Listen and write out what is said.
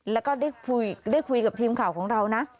แล้วก็ได้คุยกับทีมข่าวของเรานะ